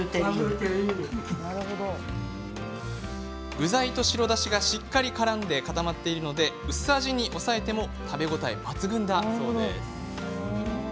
具材と白だしが、しっかりからんで固まっているので薄味に抑えても食べ応えは抜群だそうです。